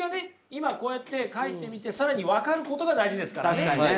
今こうやって書いてみて更に分かることが大事ですからね。